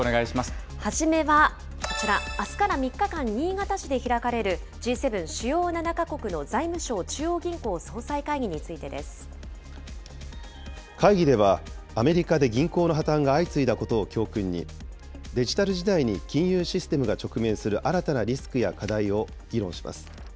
はじめは、こちら、あすから３日間、新潟市で開かれる、Ｇ７主要７か国の財務相・中央銀行総会議ではアメリカで銀行の破綻が相次いだことを教訓に、デジタル時代に金融システムが直面する新たなリスクや課題を議論します。